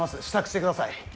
支度してください。